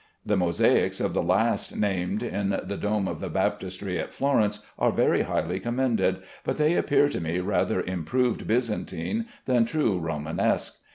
The mosaics of the last named in the dome of the baptistery at Florence are very highly commended, but they appear to me rather improved Byzantine than true Romanesque.